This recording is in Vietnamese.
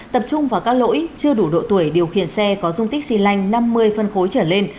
tập trung vào các lỗi chưa đủ độ tuổi điều khiển xe có dung tích xy lanh năm mươi phân khối trở lên